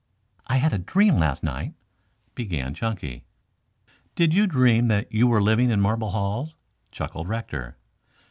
"I had a dream last night," began Chunky. "Did you dream that you were living in marble halls?" chuckled Rector.